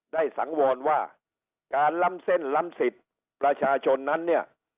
สังวรว่าการล้ำเส้นล้ำสิทธิ์ประชาชนนั้นเนี่ย